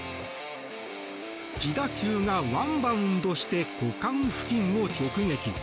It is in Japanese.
自打球がワンバウンドして股間付近を直撃。